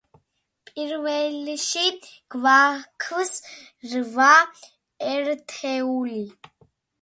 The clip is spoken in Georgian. პირველში გვაქვს რვა ერთეული.